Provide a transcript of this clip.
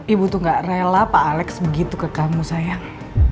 ibu tuh gak rela pak alex begitu ke kamu sayang